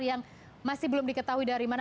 yang masih belum diketahui dari mana